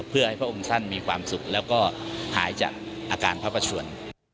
เพื่อให้พระองค์ท่านมีความสุขแล้วก็หายจากอาการพระประชวน